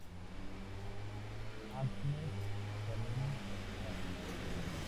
Agnes Salm-Salm